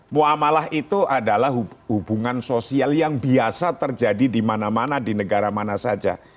muamalah itu adalah hubungan sosial yang biasa terjadi di mana mana di negara mana saja